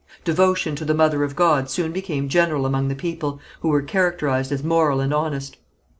Devotion to the Mother of God soon became general among the people, who were characterized as moral and honest.